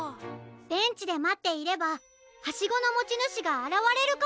ベンチでまっていればハシゴのもちぬしがあらわれるかも！